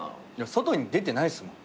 外に出てないっすもん。